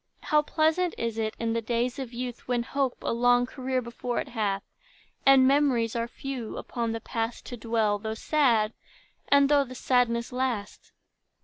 How pleasant is it, in the days of youth, When hope a long career before it hath, And memories are few, upon the past To dwell, though sad, and though the sadness last!